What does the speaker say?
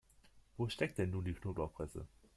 Wo steckt denn nun die Knoblauchpresse?